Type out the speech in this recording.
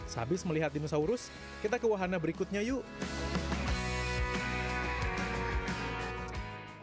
sehabis melihat dinosaurus kita ke wahana berikutnya yuk